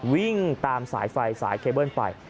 วิ่งตามสายไฟสายเคเบิ้ลไป